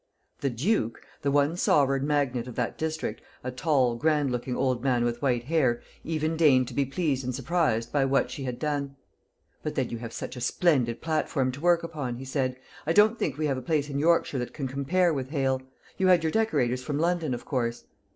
The Duke the one sovereign magnate of that district a tall grand looking old man with white hair, even deigned to be pleased and surprised by what she had done. "But then you have such a splendid platform to work upon," he said; "I don't think we have a place in Yorkshire that can compare with Hale. You had your decorators from London, of course?"